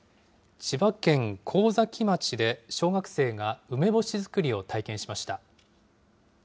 千葉県神崎町で、小学生が梅干し作りを体験しました。